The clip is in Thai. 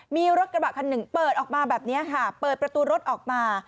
มีรถกระบะคันหนึ่งเปิดออกมาแบบนี้ค่ะเปิดประตูรถออกมา